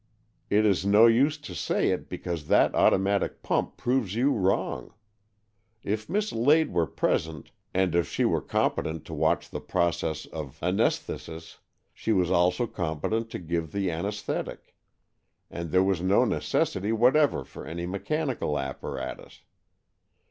It is no use to say it, because that automatic pump proves you wrong. If Miss Lade were present and if she were competent to watch the process of anaesthesis, she was also competent to give the anaesthetic, and there was no necessity whatever for any mechanical apparatus.